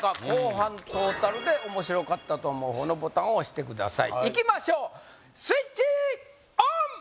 後半トータルで面白かったと思う方のボタンを押してくださいいきましょうスイッチオン！